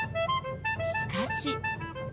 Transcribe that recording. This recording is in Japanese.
しかし